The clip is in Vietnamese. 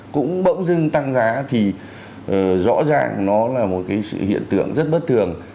cũng bỗng dưng tăng giá thì rõ ràng nó là một cái hiện tượng rất bất thường